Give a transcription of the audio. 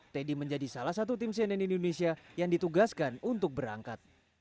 teddy menjadi salah satu tim cnn indonesia yang ditugaskan untuk berangkat